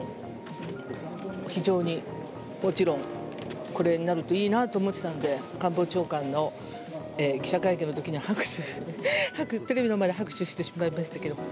非常にもちろん、これになるといいなと思ってたんで、官房長官の記者会見のときに拍手して、テレビの前で拍手してしまいましたけれども。